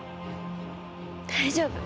大丈夫！